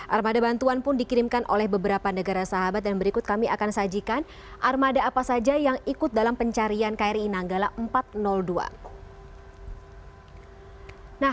armada bantuan pun dikirimkan oleh beberapa negara sahabat dan berikut kami akan sajikan armada apa saja yang ikut dalam pencarian kri nanggala empat ratus dua